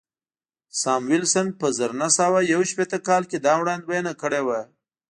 ساموېلسن په زر نه سوه یو شپېته کال کې دا وړاندوینه کړې وه